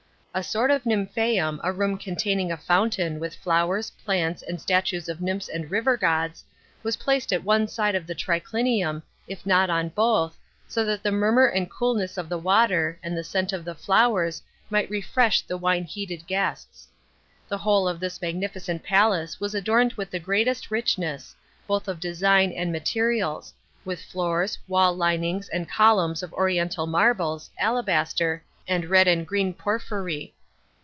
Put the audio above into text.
A sort of nympliseum, a room containing a fountain, with flowers, plants, and statues of nymphs and river gods, was placed at one side of the triclinium, if not on both, so that the murmur and coolness of the water, and the scent of the flowers might refresh the wine heated guests. The whole of this magnificent palace was adorned witli the greatest richness, both of design and materials, with floors, wall linings, and columns of oriental marbles, alabaster, and red and green porphyry.